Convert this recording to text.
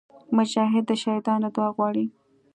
مجاهد د شهیدانو دعا غواړي.